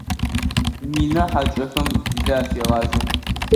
Мина хьакӏэхэм лы афегъажъэ.